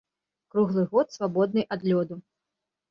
Круглы год свабодны ад лёду.